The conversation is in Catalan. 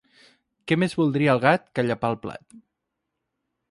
Què més voldria el gat que llepar el plat.